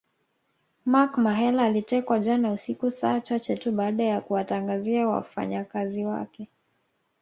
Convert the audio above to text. Mark Mahela alitekwa jana usiku saa chache tu baada ya kuwatangazia wafanyakazi wake